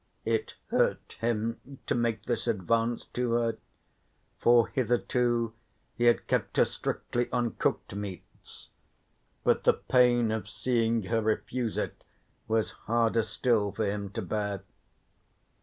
It hurt him to make this advance to her, for hitherto he had kept her strictly on cooked meats, but the pain of seeing her refuse it was harder still for him to bear.